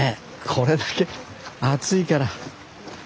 これだけ暑いから。